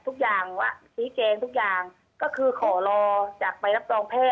ทุกอย่างว่าชี้แจงทุกอย่างก็คือขอรอจากใบรับรองแพทย